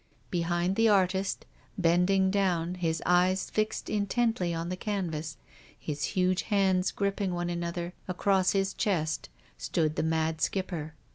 Behind the artist, bending down, his eyes fixed intently on the canvas, his huge hands gripping one another across his chest, stood the mad Skipper.